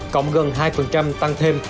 cộng gần hai tăng thêm